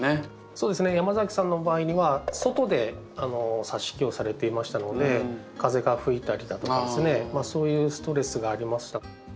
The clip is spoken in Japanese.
そうですね山崎さんの場合には外でさし木をされていましたので風が吹いたりだとかですねそういうストレスがありました。